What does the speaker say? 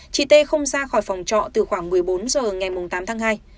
chị t không ra khỏi phòng trọ từ khoảng một mươi bốn h ngày tám tháng hai